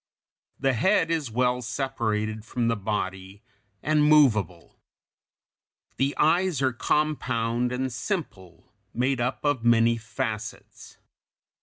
The head is well separated from the body, and movable. The eyes are compound and simple, made up of many facets (Fig 219).